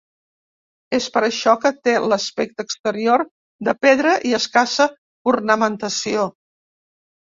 És per això que té l'aspecte exterior de pedra i escassa ornamentació.